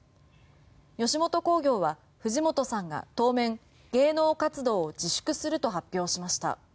吉本興業は、藤本さんが当面芸能活動を自粛すると発表しました。